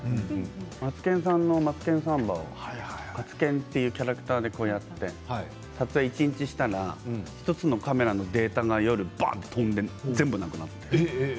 マツケンさんの「マツケンサンバ」をカツケンというキャラクターでやっていて撮影一日したら１つのカメラのデータが夜ばんと飛んで全部なくなった。